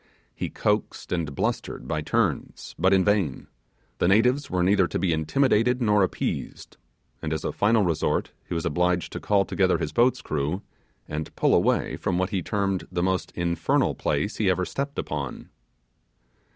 He coaxed and blustered by turns, but in vain; the natives were neither to be intimidated nor appeased, and as a final resort he was obliged to call together his boat's crew, and pull away from what he termed the most infernal place he ever stepped upon.